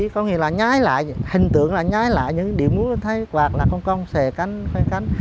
có nghĩa là nhái lại hình tượng là nhái lại những điệu múa thấy quạt là công công xề cánh khoai cánh